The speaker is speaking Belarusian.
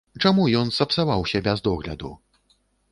Чаму ён сапсаваўся без догляду?